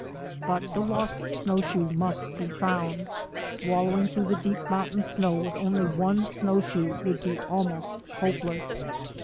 But the lost snowshoe must be found, wallowing through the deep mountain snow with only one snowshoe would be almost hopeless.